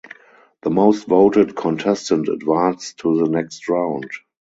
The most voted contestant advanced to the next round.